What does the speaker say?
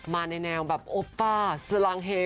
มาในแนวแบบโอป้าสลังเฮ